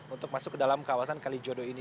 untuk masuk ke dalam kawasan kalijodo ini